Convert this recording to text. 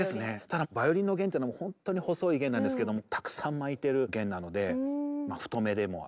ただバイオリンの弦というのもほんとに細い弦なんですけどもたくさん巻いてる弦なので太めでもありますね。